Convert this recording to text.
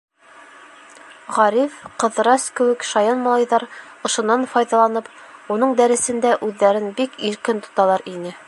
Ғариф, Ҡыҙырас кеүек шаян малайҙар, ошонан файҙаланып, уның дәресендә үҙҙәрен бик иркен тоталар ине.